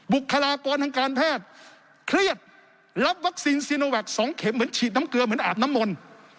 บุคลากรทางการแพทย์เครียดรับวัคซีนซีโนแวค๒เข็มเหมือนฉีดน้ำเกลือเหมือนอาบน้ำมนต์